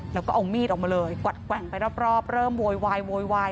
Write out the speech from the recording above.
แล้วก็เอามีดออกมาเลยกวัดแกว่งไปรอบเริ่มโวยวายโวยวาย